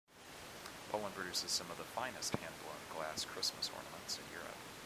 Poland produces some of the finest hand-blown glass Christmas ornaments in Europe.